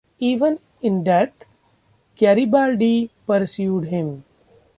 Even in death, Garibaldi pursued him.